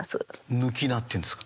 「抜菜」っていうんですか？